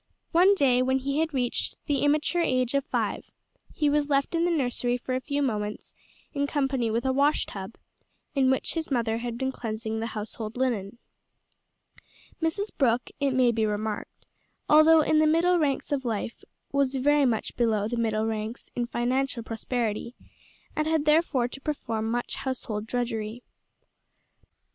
One day, when he had reached the immature age of five, he was left in the nursery for a few moments in company with a wash tub, in which his mother had been cleansing the household linen. Mrs Brooke, it may be remarked, although in the middle ranks of life, was very much below the middle ranks in financial prosperity, and had therefore to perform much household drudgery.